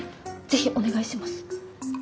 是非お願いします。